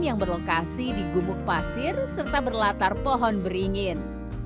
yang berlokasi di gumuk pasir serta berlatar pohon beringin